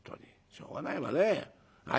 「しょうがないわね。はい」。